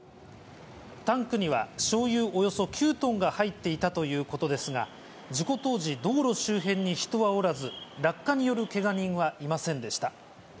タンクには、しょうゆおよそ９トンが入っていたということですが、事故当時、道路周辺に人はおらず、落下によるけが人はいませんでした。